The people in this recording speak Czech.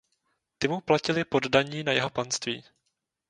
Ty mu platili poddaní na jeho panství.